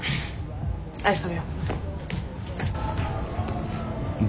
アイス食べよ。